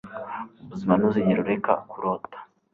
Mu buzima Ntuzigere ureka kurota.